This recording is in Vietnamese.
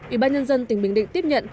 ủy ban nhân dân tỉnh bình định tiếp nhận